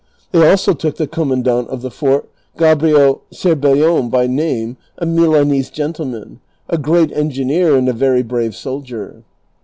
They also took the commandant of the foi't, Gabrio Cer bellon ' by name, a Milanese gentleman, a great engineer and a very brave soldier.